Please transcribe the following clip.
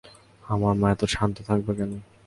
আমার মা এত শান্ত থাকবে কেন?